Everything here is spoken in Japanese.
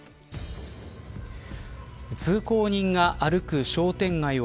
通行人が歩く商店街を